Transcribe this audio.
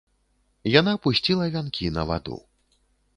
Яна пусціла вянкі на ваду.